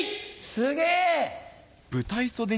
すげぇ。